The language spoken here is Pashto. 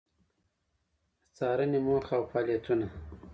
د څــارنـې موخـه او فعالیـتونـه: